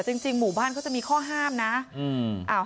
จริงหมู่บ้านเขาจะมีข้อห้ามนะ